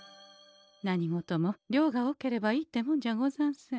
何事も量が多ければいいってもんじゃござんせん。